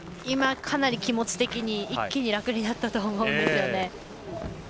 今、かなり気持ち的に一気に楽になったと思うんです。